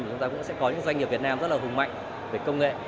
chúng ta cũng sẽ có những doanh nghiệp việt nam rất là hùng mạnh về công nghệ